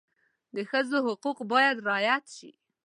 د ښځو حقوق باید رعایت شي.